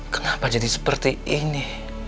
kenapa jadi seperti ini